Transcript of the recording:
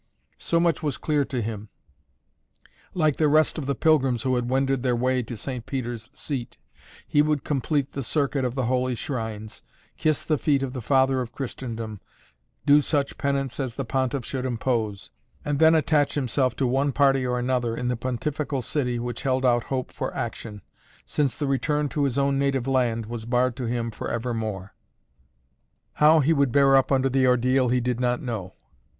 So much was clear to him. Like the rest of the pilgrims who had wended their way to St. Peter's seat, he would complete the circuit of the holy shrines, kiss the feet of the Father of Christendom, do such penance as the Pontiff should impose, and then attach himself to one party or another in the pontifical city which held out hope for action, since the return to his own native land was barred to him for evermore. How he would bear up under the ordeal he did not know.